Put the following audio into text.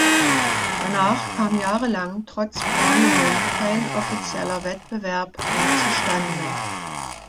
Danach kam jahrelang trotz Planungen kein offizieller Wettbewerb mehr zustande.